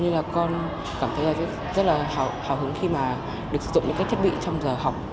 nên là con cảm thấy là rất là hào hứng khi mà được sử dụng những cái thiết bị trong giờ học